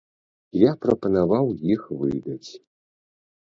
Я прапанаваў іх выдаць.